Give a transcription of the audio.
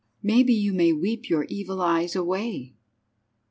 "Maybe you may weep your evil eyes away."